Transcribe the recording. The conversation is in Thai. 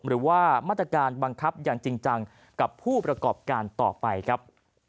หรือว่ามาตรการบังคับอย่างจริงจังกับผู้ประกอบการต่อไปครับ